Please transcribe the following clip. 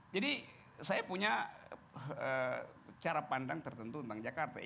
jadi saya punya cara pandang tertentu tentang jakarta